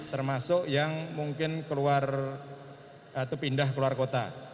termasuk yang mungkin keluar atau pindah keluar kota